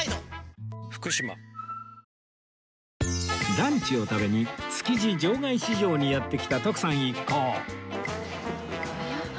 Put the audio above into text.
ランチを食べに築地場外市場にやって来た徳さん一行